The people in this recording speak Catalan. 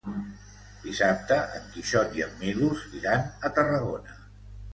Dissabte en Quixot i en Milos iran a Tarragona.